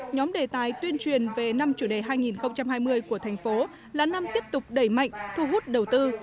nhóm đề tài tuyên truyền về năm chủ đề hai nghìn hai mươi của thành phố là năm tiếp tục đẩy mạnh thu hút đầu tư